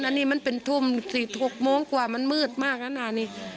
อันนี้มันเป็นทุ่ม๔๖โมงกว่ามันมืดมากแล้วนะนี่